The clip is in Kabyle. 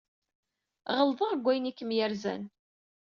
Ɣelḍeɣ deg wayen ay kem-yerzan.